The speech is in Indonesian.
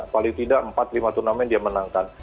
paling tidak empat lima turnamen dia menangkan